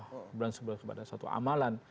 kemudian sebuah kepada satu amalan